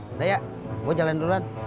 udah ya gue jalan duluan